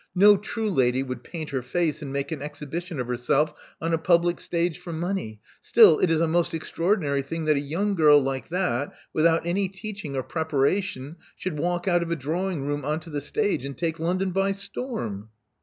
No true lady would paint her face and make an exhibition of herself on a public stage for money. Still, it is a most extra ordinary thing that a young girl like that, without any teaching or preparation, should walk out of a drawing room on to the stage, and take London by storm."